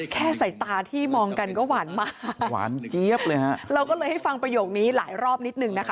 แค่ใส่ตาที่มองกันก็หวานมากหวานเจี๊ยบเลยฮะเราก็เลยให้ฟังประโยคนี้หลายรอบนิดหนึ่งนะคะ